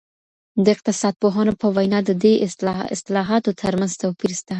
د اقتصاد پوهانو په وينا د دې اصطلاحاتو ترمنځ توپير سته.